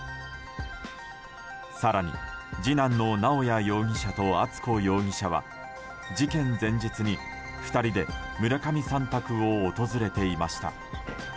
更に、次男の直哉容疑者と敦子容疑者は事件前日に、２人で村上さん宅を訪れていました。